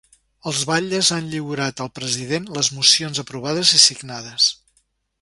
Els batlles han lliurat al president les mocions aprovades i signades.